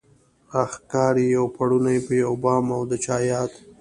راښکاري يو پړونی په يو بام او د چا ياد